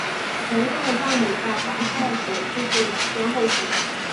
隆重的葬礼在皇太子去世两天后举行。